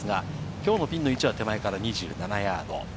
きょうのピンの位置は手前から２７ヤード。